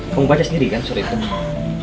kamu baca sendiri kan surat itu